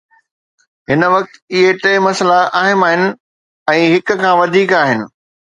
هن وقت، اهي ٽي مسئلا اهم آهن ۽ هڪ کان وڌيڪ آهن